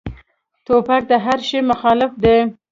توپک د هر شي مخالف دی.